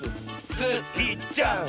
スイちゃん！